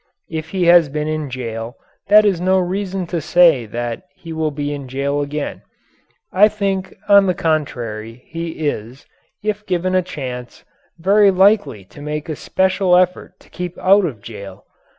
If he has been in jail, that is no reason to say that he will be in jail again. I think, on the contrary, he is, if given a chance, very likely to make a special effort to keep out of jail.